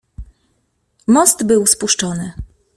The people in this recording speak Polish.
"Most był spuszczony."